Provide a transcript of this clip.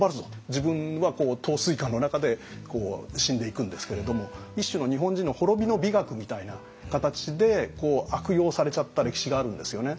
自分は陶酔下の中で死んでいくんですけれども一種の日本人の滅びの美学みたいな形で悪用されちゃった歴史があるんですよね。